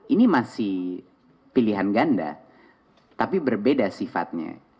ini masih pilihan ganda tapi berbeda sifatnya